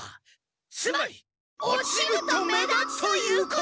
つまり落ちると目立つということだ！